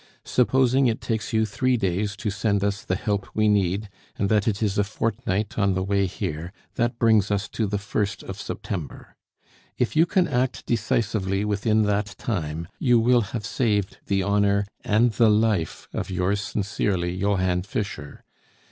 Supposing it takes you three days to send us the help we need, and that it is a fortnight on the way here, that brings us to the 1st of September. "If you can act decisively within that time, you will have saved the honor and the life of yours sincerely, Johann Fischer.